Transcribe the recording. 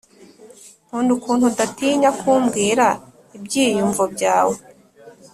nkunda ukuntu udatinya kumbwira ibyiyumvo byawe